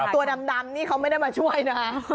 ตัวดำนี่เขาไม่ได้มาช่วยนะ